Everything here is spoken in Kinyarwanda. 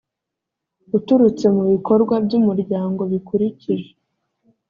uturutse mu bikorwa by umuryango bikurikije